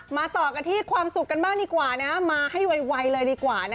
ต่อกันที่ความสุขกันบ้างดีกว่านะมาให้ไวเลยดีกว่า